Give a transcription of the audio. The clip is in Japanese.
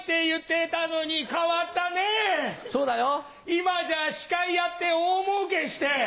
今じゃ司会やって大もうけして。